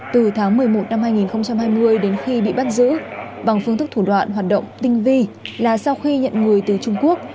từ tháng một mươi một năm hai nghìn hai mươi đến khi bị bắt giữ bằng phương thức thủ đoạn hoạt động tinh vi là sau khi nhận người từ trung quốc